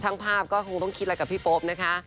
ช่างภาพก็คงต้องคิดอะไรกับพี่โป๊ปนะคะ